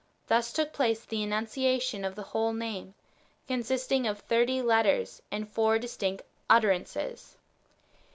Thus took place the enunciation of the whole name, consisting of thirty letters, and four distinct utter ances.